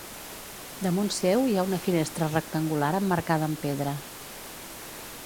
Damunt seu hi ha una finestra rectangular emmarcada en pedra.